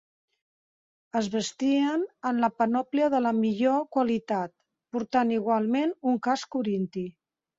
Es vestien amb la panòplia de la millor qualitat, portant igualment un casc corinti.